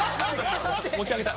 持ち上げた。